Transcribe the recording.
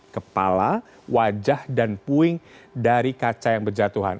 kepala wajah dan puing dari kaca yang berjatuhan